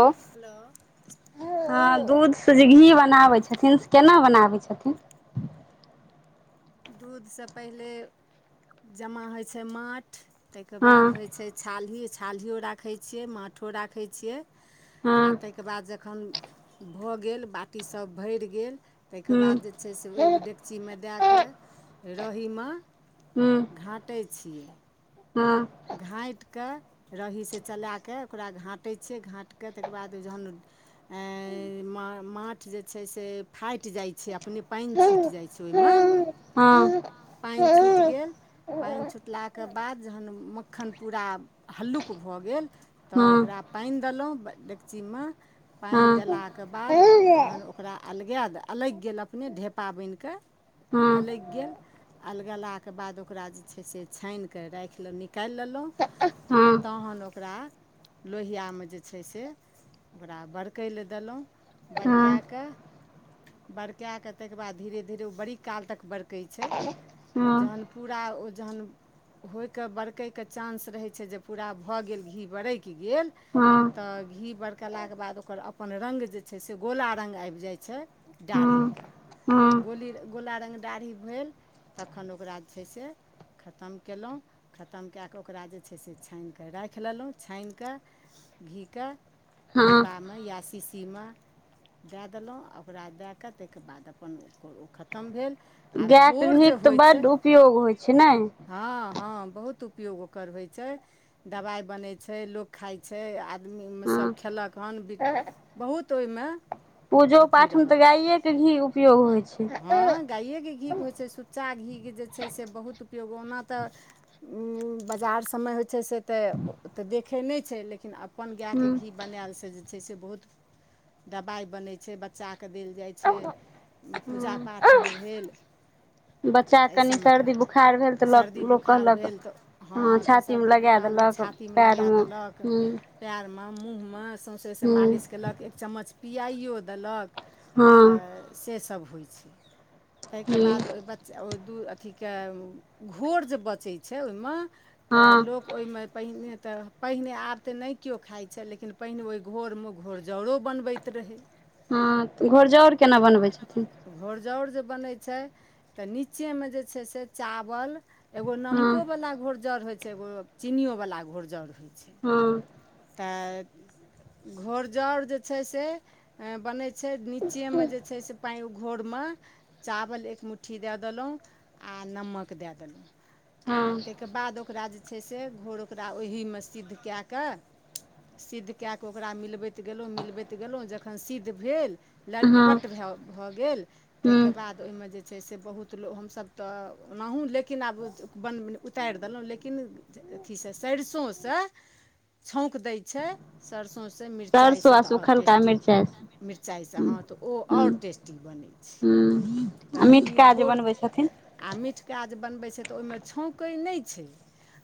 ओ hello ह दूध से जे घी बनाबै छथिन। केना बनाबै छथिन। दूधसँ पहिले जमा होइत छै। माठ ताहिके बाद हँ होइ छै। छालही छाल्हियओ राखै छियै माठो राखै छियै। आ हँ ताहिके बाद जखन भऽ गेल बाटीसभ भरि गेल। ताहिके हूँ बाद जे छै। से ओहि डेकचीमे दए कऽ रहीमे। हू। घाटै छि। हँ। घाँटिके। रहीसँ चलाए कऽ ओकरा घाँटै छियै घाँटि कऽ तकर बाद जखन। मा माट जे छै। से फाटि जाइ छै। अपने पानि छुटि हँ जाइ छै। ओहिमे हँ हँ हँ पानि हँ छुटि गेल। पानि छुटलाके बाद जहन मक्खन पूरा हल्लुक भऽ गेल तऽ हँ हँ ओकरा। पानि देलहुँ डेकचीमे पानि देलाके बाद तहन ओ। ओकरा अलगा द अलगि गेल अपने ढेपा बनि कऽ अलगि गेल। अलगलाके बाद ओकरा जे छै। से छानिकऽ राखि लेलहुँ नीक। निकालि लेलहुँ आओर तहन ओकरा। लोहियामे जे छै। से ओकरा बरकै लए देलहुँ। बरकाए कऽ बरकाए कऽ ताहिके बाद धीरे धीरे ओ बड़ी काल तक बेर। क छै। ज पू होके। कैके चानंस रहै छै। जे पूरा भऽ गेल घी बरकि गेल। हँ। तऽ घी बरकेलाके बाद ओकर अपन राइड जे छै। से गोला रङ्ग आबि जाइ छै। हँ हँ दाढ़ीके हँ गोली गोला रङ्ग दाढ़ी भेल। तखन ओकरा जे छै। से खतम कयलहुँ। खतम कए कऽ ओकरा जे छै। से छानिकऽ राखि लेलहुँ छानिकऽ घीके। हँ डिब्बा में या शीशीमे। दए देलहुँ आ ओकरा दए कऽ ताहिके बाद अपन ओ ओ खतम भेल। आ गायके घोर घीके जे तऽ होइ छै बड्ड उपयोग होइ छै। ने हँ हँ। बहुत उपयोग ओकर होइ छै। दबाइ बनै छै। लोक खाइ छै। आदमी हँ सभ। खयेलक हन बि बहुत ओहिमे। पूजो अथी पाठमे रहल तऽ गाइएके घी उपयोग होइ छै हँ गाायएके घीक होइ छै। सुत च चा घीके जे छै। से बहुत उपयोग ओना तऽ बजार सबमे होइ छै से तऽ तऽ देखै नय छै लेकिन अपन गायके हूँ घी बनायल सँ जे छै से बहुत दबाइ बनै छै बच्चा कऽ देल जाइ छै पूजा हूँ पाठमे भेल बच्चा कऽ तऽ एहि कनी सबमे का सर्दी बुखार भेल तऽ ल सर्दी - लोक बुखार कहलक भेल तऽ हँ तऽ छातीमे सर्दी लगा बुखार भेल देलक छाती मऽ लगै पएरमे देलक हुँ पैर मऽ मुँह मऽ सौंसेसँ हुँ मालिश केलक एक चम्मच पआइओ देलक हँ तऽ से सभ होइ छै ताहि केँ हुँ बाद ओहि बच्चा ओ दू अथिके घोर जे बचै छै ओहि मऽ तऽ हँ लोक ओहिमे पहिने तऽ पहिने आब तऽ नय केओ खाइ छै लेकिन पहिने ओहि घोरमे घोर जरो बनबै त रहै हँ तऽ घोरजाउर केना बनबै छथिन घौरजाउर जे बनै छै तऽ निचे मे जे छै से चावल एगो हँ कोवला घोरजाउर होइ छै एगो चीनीयो वला घोरजाउर होइ छै हँ तऽ घोरजाउर जे छै से बनै छै निचे मे जे छैय पाइ घोर मऽ चावल एक मुट्ठी दै देलहुँ आ नमक दै देलहुँ आ हँ ताइकऽ बाद ओकरा जे छै से घोर ओकरा ओही मऽ सिद्ध कैय कऽ सिद्ध कैय कऽ ओकरा मिलबैत गेलहुँ मिलबैत गेलहुँ जखन सिद्ध भेल हँ लटपट भैय भऽ गेल हुँ ताहिकेँ बाद तऽ ओहिमे जे छै से बहुत लोक हमसभ तऽ ओनाहुँ लेकिन आब बन उतारि देलहुँ लेकिन अथी सँ सरिसो सँ छौँक दै छै सरिसो सँ मिरचाइ सरसो सँ आ तऽ आओर सुखलका टेस्टी मिरचाइ मिरचाइ सँ हुँ हँ तऽ ओ हुँ आओर टेस्टी बनै छै हुँ आ तऽ ई मिठका जे घोर बनबै छथिन आ मिटिका जे बनबै छै तऽ ओहि मऽ छौकै नय छै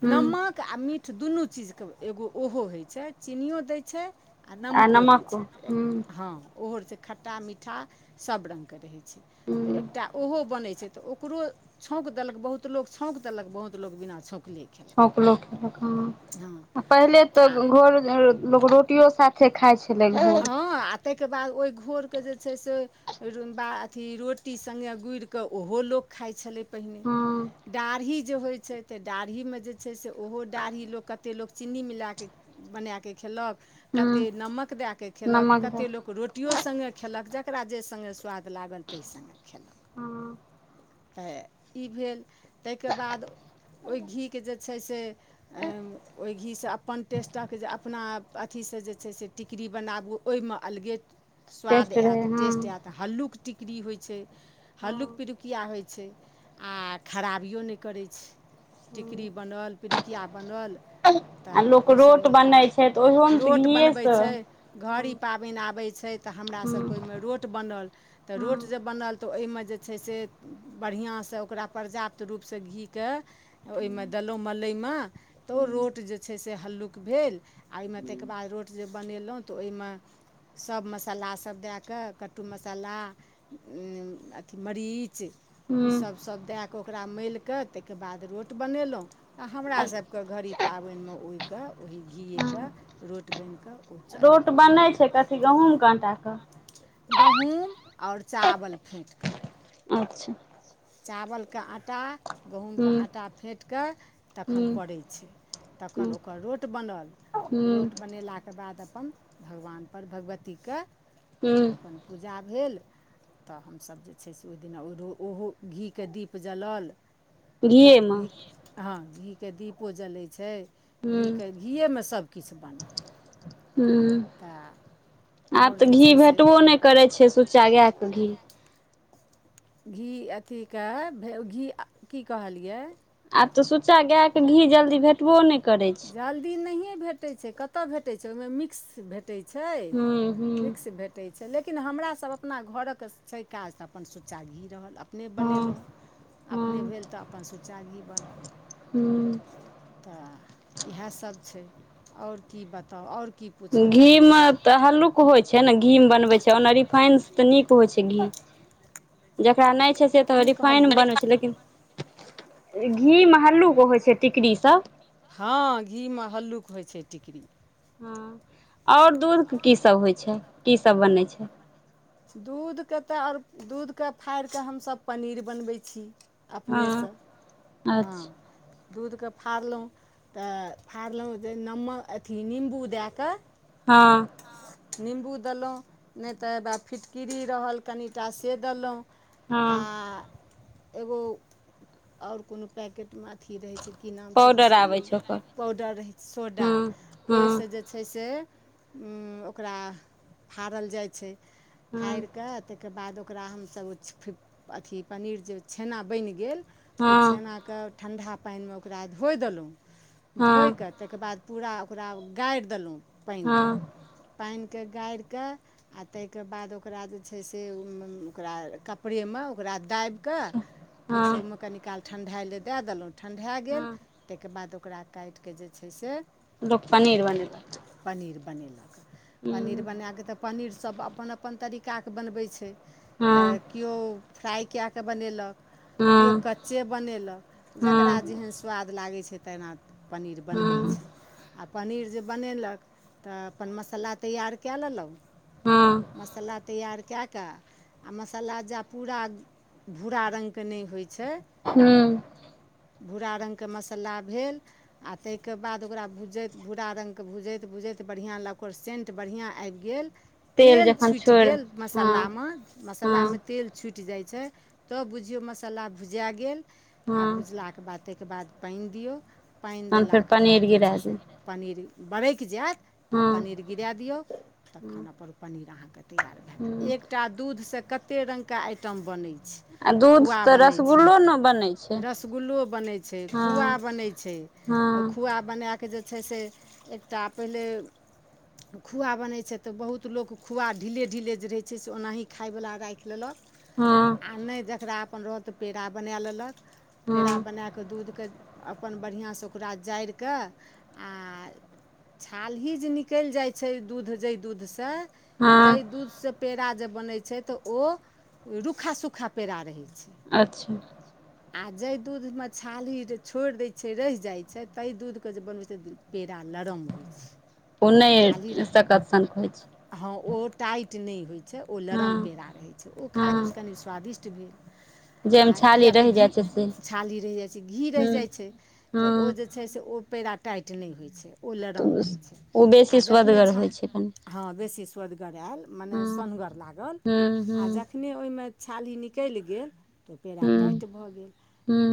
हुँ नमक आ मीठ दुनू चीज कऽ एगो ओहो होइ छै चीनीयो दै छै आ नमको दै नमक छै हुँ हँ ओहो रहै छै खट्टा मीठा सब रंग कऽ रहै छै तऽ हुँ एकटा ओहो बनै छै तऽ ओकरो छौक देलक बहुत लोक छौक देलक बहुत लोक बिना छौकले छौक लोक देलक हँ पहिले आ तऽ घोर लोक रोटियो सा थे खाय छलै घोर ताहि केँ बाद ओहि घोर कऽ जे छै से रो बा अथि रोटी संगे गुइर कऽ ओहो लोक खाइ छलै पहिने हँ दडाढ़ी जे होइ छै तऽ डाढ़ीमे जे छै से ओहो डाढ़ी लोक कते लोक चीनी मिला कऽ बनाए कऽ खेलक हँ कतेक नमक दै कऽ खेलक नमक द कते लोक रो टियो संगे खेलक जेकरा जेहि संगे स्वाद लागल ताहि संगे खेलक हँ तऽ ई भेल ताहि केँ बाद ओहि घी केँ जे छै से ओहि घीसँ अपन टेस्टक जे अपना अथिसँ जे छै से टिकड़ी बनाबू ओहिमे अलगे स्वाद टेस्ट रहै ऐत हँ टेस्ट ऐत तऽ हल्लूक टिकड़ी होइ छै हल्लूक हँ पिड़ु किया होइ छै आ खराबियो नय करै छै टिकरी हँ बनल पिरुकिया बनल आ तऽ लोक ओहि सभ रोट ये बनै छै तऽ पाबै ओहोमे तऽ रोट बनबै घीएसँ छै हँ घड़ी पाबैन आबै छै तऽ हमरा सभ हँ कऽ ओहि मऽ रोड बनल तऽ हँ रोट जे बनल तऽ ओहि मऽ जे छै से बढ़िया सँ ओकरा पर्याप्त रूपसँ घीकेँ ओहिमे देलहुँ मलइमे तऽ ओ हँ रोट जे छै से हल्लुक भेल आ ओहिमे ताहि केँ बाद रोट जे बनेलहुँ तऽ ओहि मऽ सभ मसालासभ दै कऽ कट्टू मसाला अथी मरी च ईस हँ सब सब दै कऽ ओकरा मालिकऽ ताहि कऽ बाद रोट बनेलहुँ तऽ हमरा सभ कऽ घड़ी पाबैन मऽ ओही कऽ ओही घीए कऽ हँ रोट बैन कऽ रोट बनै छै कथी गहूँम कऽ आटा कऽ गहुँम आओर चावल फेँट कऽ अच्छह चावल कऽ आटा गहूँम कऽ हूँ आटा फेँट कऽ तखन हूँ पड़ै छै हूँ तखन ओकर रोट बनल हूँ रोट बनेला केँ बाद अपन भगवान पर भगवती कऽ हुँ अपन पूजा भेल तऽ हमसब जे छै से ओ ओढ़ ओहो घी केँ दीप जलल घीएमे घी हँ घी कऽ दीपो जलै छै हूँ घी कऽ घीये मऽ सभकिछ बनल हुँ तऽ आओर जे छै से भेटबो नहि करै छै सुच्चा गायके घी घी अथी कऽ भे घी की कहलियै आब तऽ सुच्चा गाए कऽ घी जल्दी भेटबो नय करै छै जल्दी नहिये भेटै छै केतऽ भेटै छै ओहि मऽ मिक्स भेटै छै हूँ हूँ मिक्स भेट टै छै लेकिन हमरा सभ अपना घरक छै काज तऽ अपन सुच्चा घी रहल अ अपने हँ बनेलहुँ हँ अपने भेल तऽ अपन सुचा घी बनल हूँ तऽ इहै सभ छै आओर की बताउ आओर की पूछय घी चाहै मऽ छी तऽ हल्लुक होइ छै नऽ घी मऽ बनबै छै ओना रिफाइन सँ तऽ नीक होइ छै घी जकरा नय छै से तऽ की रिफाइन मऽ कहलियै बननै छै लेकिन घी मऽ हल्लूक होइ छै टिकरी सब हँ घी मऽ हल्लूक होइ छै टिकरी हँ आओर दूध कऽ कीसभ होइ छै की सभ बनै छै दूधके तऽ आओर दूध कऽ फाइड़ कऽ हमसभ पनीर बनबै छी हँ अपनेसँ हँ अच्छा दूध कऽ फड़लहुँ तऽ फड़लहुँ जे नम्मक अथी निम्बू दै कऽ हँ निम्बू देलहुँ नय तऽ हेवा फिटकिरी रहल कनिटा से देलहुँ हँ आ एगो आओर कोनो पैकेट मऽ अथि रहै छै की नाम छियै पाउडर बिसैरियो आबै छै गेलियै पाउडर ओकर आबै छै पाउडर रहो छै सोडा हँ हँ ओहि सँ जे छै से ओकरा फाड़ल जाइ छै हँ फाइर कऽ ताहिक बाद ओकरा हमसभ ओ अथी पनीर जे छेना बैन गेल ओहि छेना हँ कऽ ठण्डा पाइनमे ओकरा धोइ देलहुँ हँ धोइ कऽ ताहि केँ बाद पूरा ओकरा गाइर देलहुँ पाइन हँ कऽ पाइन कऽ गाइर कऽ आ ताहि केँ बाद ओकरा जे छै से ओहि मऽ ओकरा कपड़े मऽ ओकरा दाइब कऽ अच्छा हँ किछो मऽ कनि काल ठंढाइ लऽ दै देलहुँ ठंढाए गेल हँ ताहि केँ बाद ओकरा काइट कऽ जे छै से लोक पनीर बने पनीर बनेलक पनीर बनाकऽ तऽ पनीर सब अपन अपन तरीका कऽ बनबै छै तऽ हँ किओ फ्राइ कैए कऽ बनेलक किओ हँ कच्चे बनेलक हँ जकरा हँ जेहन स्वाद लागै छै तेना पनीर बनबै छै हँ आ पनीर जे बनेलक तऽ अपन मसल्ला तैयार कैय लेलहुॅं मसल्ला तैयार कैय कऽ आ मसल्ला जा पूरा भूरा रंग कऽ नय होइ छै हुँ भूरा रंग कऽ मसाला भेल आ तैय कऽ बाद ओकरा भूजैत भूरा रंग कऽ भूजैत - भूजैत बढ़िया लग ओकर सेन्ट बढ़िया आबि गेल तेल जखन छुइट छोड़ि गेल हँ मसल्ला मऽ मसल्ला मे हँ तेल छुइट जाइ छैय तब बुझियौ मसल्ला भुजाय गेल आ हँ भुजला केँ बाद ताहि केँ बाद पाइन दियौ पाइन तहन फेर देला केँ पनीर बाद जे गिरा छैय से दियौ पनीर बरैक जैत पनीर हँ गिरा दियौ तखन हँ अपन पनीर अहाँ कऽ तैयार भए गेल हूँ एकटा दूधसँ कते रंग कऽ आइटम बनै छैय आ दूध खुआ तऽ बनै छै रसगुल्लो ने बनै छै रसगुल्लो बनै छै खुआ हँ बनै छै हँ खुआ बनै कऽ जे छै से एकटा पहिले खुआ बनै छैय तऽ बहुत लोक खुआ ढीले- ढीले जे रहै छै से ओनाही खाय वला राइख लेलक आ हँ नय जकरा अपन रहल तऽ पेड़ा बने लेलक पेड़ा हँ बनै कऽ दूध कऽ अपन बढ़ियासँ ओकरा जाइर कऽ आ छालही जे नि कैल जाइ छैय दूध जहि दूध सँ तैय हँ दूध से पेड़ा जे बनै छै तऽ ओ रूखा - सूखा पेड़ा रहै छै अच्छऽ आ जैय दूध मऽ छालही छोइर दैय छै रैह जाइ छै तैह दूध कऽ जे बनबै छै पेड़ा लरम होइ छै ओ छाली नय रहल सकत सन कऽ होइ छै हँ ओ टाइट नय होइ छै ओ लरम हँ पेड़ा रहै छै ओ खाय मऽ हँ कनि स्वादि ष्ट भेल आ जाहिमे छाली किया तऽ रहि घी जाइ छै से छाल्ही रैह जाइ छै घी रैह हूँ जाइत छै तऽ ओ हँ जे छै से ओ पेड़ा टाइट नय होइ छैय ओ लरम तऽ रहै छै ओ आ बेसी जखने स्वदगर छा होइ छै कनि हँ बेसी स्वदगर आयल मने हँ सोनगर लागल हूँ हूँ आ ज खने ओहि मऽ छाली निकैल गेल तऽ पेड़ा हूँ टाइट भऽ गेल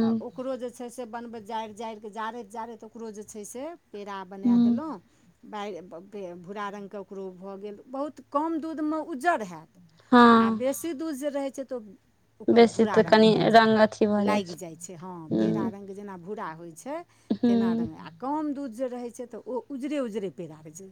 तऽ ओकरो जे छै से बनबैत जाइर - जाइर कऽ जारैत - जारैत ओकरो जे छै से पेड़ा बना हूँ देलहुँ बइ भूरा रंग कऽ ओकरो भऽ गेल बहुत कम दूध मऽ उज्जर हैत आ हँ बेसी दूध जे रहै छै तऽ ओ ओकर बेसी भूरा तऽ रंग कनि भए रंग अथी भऽ जाइ लाइग जाइ छै हँ हूँ पेड़ा रंग जेना भूरा होइ छै तेना हूँ रंग आ कम दूध जे रहै छै तऽ ओ उजरे - उजरे पेड़ा रहै छै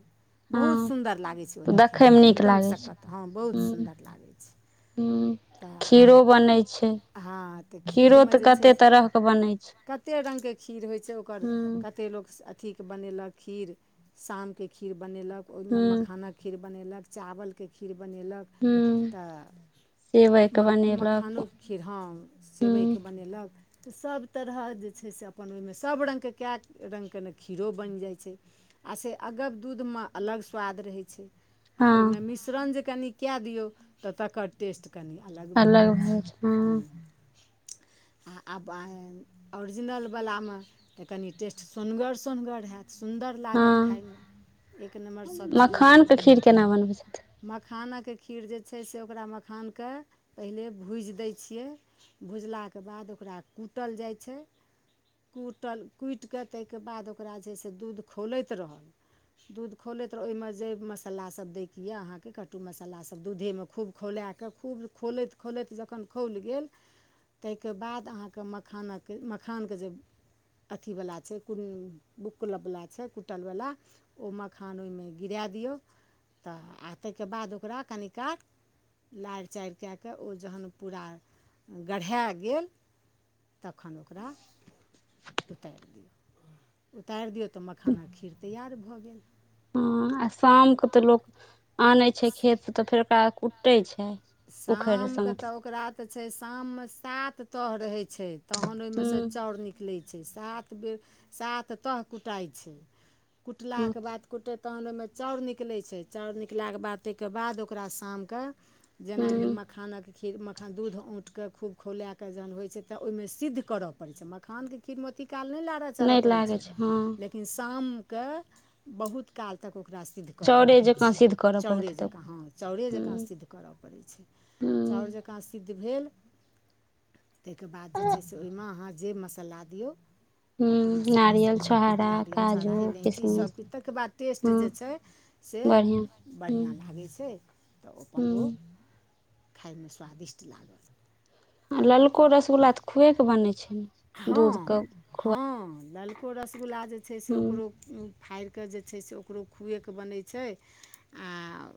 बहुत हँ सुन्दर लागै छै ओ तऽ देखैय देखयमे मऽ नीक एकदम लागै सकत हँ बहुत सुन्दर लागै छै हुँ तऽ खीरो बनै छै हँ तऽ खीरो तऽ कते तरह कऽ बनै छै कते रंग कऽ खीर होइ छैय ओकर हूँ कते लोक अ अथीके बनेलक खीर शामके खीर बनेलक ओही मै हूँ मखाना। खीर बनेलक चावलके खीर बनेलक। हूँ तऽ सेवइके मक बनेलक मखानोके खीर हॅं। सेवई हूँ कऽ बनेलक। तऽ सभ तरह जे छैय से अपन ओहिमे सभ रङ्गके कए रङ्ग के ने खीरो बन जाइ छैय। आ से अगब दूधमे अलग स्वाद रहै छैय। हँ आ ओहिमे मिश्रण जे कनि कैय दियौ। तऽ तकर टेस्ट कनि अलग भेए जाइ छैय हँ। आ आय ओरिजिनल बला मऽ। तऽ कनि टेस्ट सोनगर सोनगर हैत। सुन्दर लागत हँ खायमे एक नम्बर सभचीज लागत मखानके ओइमे। खीर केना बनबै छथिन मखानक खीर जे छैय से ओकरा मखानके पहिले भूज दैय छियै। भुज लाके बाद ओकरा कूटल जाइ छैय। कूटल कूटि कऽ ताइके बाद ओकरा जे से दूध खौलैत रहल। दूध खौलैत रह ओमे जे मसल्ला सभ दैके यऽ अहाँके कट्टू मसल्ला सभ दूधेमे खूब। खौला कऽ खूब खोलैत - खोलैत जखन खौल गेल। तेके बाद अहाँके मखानक मखानके जै। अथीवला छैय कुरु बुक क्लबवला छैय। कुट्टलवला ओ मखान ओई में गिरा द दियौ। तऽ आ ताइके बाद ओकरा कनि काल। लैर चैर कैय कऽ ओ जखन पूरा गढ़ाए ग गैल। तखन ओकरा उतैर दियौ उतैर दिऔ तऽ मखानाक खीर तैआार भऽ गेल। हँ आ शामके तऽ लोक आनै छै खेतसँ तऽ फेर ओकरा कूटै छै। उखैड़ शामक तऽ साँठसँ ओकरा तऽ छै शाममे सात तह रहै छै। तहन ओमे हूँ स चाउर निकलै छैय सात बेर सात तह कुटाइ छैय। कुटला के बाद। कुटै तहन ओमे चाउर निकलै छै चाउर निकलाके बाद ताके बाद ओकरा शामके। जैना हि हूँ मखानक खीर मखान दूध ओटके खूब खौला कऽ जहन होइ छै तऽ ओ। मे सिद्ध करऽ पड़ै छै मखानके खीर म ओती काल नैय लारह चारह नै परै लागै छैय। छै हँ लेकिन शामके बहुत काल तक ओकरा। सिद्ध करऽ चाउरे पड़ै जकाँ सिद्ध छैय करऽ चाउरे पड़तै तऽ जकाँ हँ चाउरे जकाँ हूँ सिद्ध करऽ। पड़ै छै चाउर हूँ जकाँ सिद्ध भेल। ताके बाद जे छैय से ओमे अहाँ जे मसाला दियौ। हु कट्टू मसल्ला नारियल सभ सभकिछु छोहारा नारियल काजू छोड़ा इलाइची किशमिश सभकिछु ताहिके बाद हु। बढ़िआँ बढ़िया लागै छै तऽ अपन हूँ ओ खाइमे स्वादिष्ट लागत। आ ललको रसगुल्ला तऽ खुएकेऽ बनै छैय। हँ हँ ललको रसगुल्ला जै छै से हूँ ओकरो। दूध फाड़ि कऽ जे छैय से ओकरो खुएके बनै छै आ।